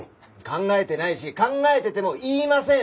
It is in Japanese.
考えてないし考えてても言いません！